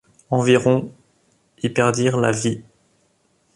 Environ y perdirent la vie.